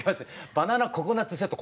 「バナナココナッツセット」